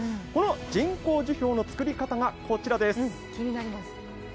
この人工樹氷の作り方がこちらです。